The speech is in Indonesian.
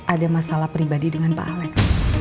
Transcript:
ada masalah pribadi dengan pak alex